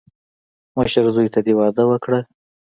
مشر زوی ته دې واده وکړه.